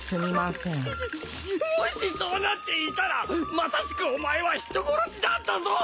發そうなっていたらまさしくお前は人殺しだったぞ！